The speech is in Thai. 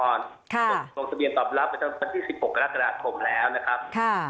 โดยตรงสะเบียนตอบลับไปตั้งทั้งปันที่๑๖รักษณะผมแล้วนะครับ